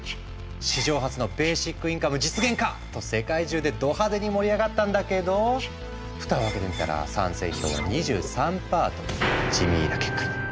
史上初のベーシックインカム実現か！と世界中でど派手に盛り上がったんだけどふたを開けてみたら賛成票は２３％という地味な結果に。